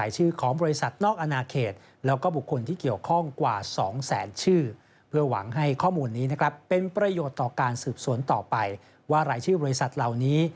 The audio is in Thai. สืบสวนต่อไปว่าหลายชื่อบริษัทเหล่านี้